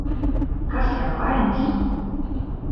Kas jam vainis?